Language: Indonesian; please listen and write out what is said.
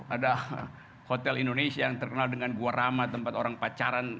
ada hotel indonesia yang terkenal dengan gua rama tempat orang pacaran